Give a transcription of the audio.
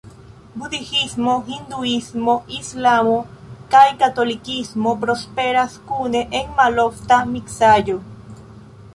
Budhismo, hinduismo, islamo kaj katolikismo prosperas kune en malofta miksaĵo.